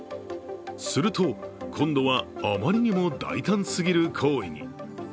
すると、今度はあまりにも大胆すぎる行為に。